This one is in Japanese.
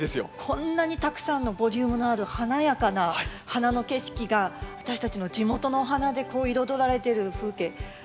こんなにたくさんのボリュームのある華やかな花の景色が私たちの地元のお花で彩られてる風景圧巻で私も感動しております。